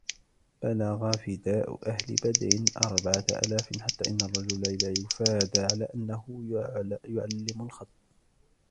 بَلَغَ فِدَاءُ أَهْلِ بَدْرٍ أَرْبَعَةُ آلَافٍ حَتَّى إنَّ الرَّجُلَ لِيُفَادَى عَلَى أَنَّهُ يُعَلِّمُ الْخَطَّ